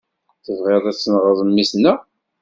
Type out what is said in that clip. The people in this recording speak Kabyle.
Tebɣiḍ a tenɣeḍ mmi-tneɣ?